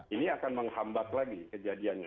ini akan menghambat lagi kejadiannya